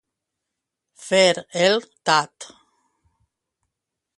Fer el tat.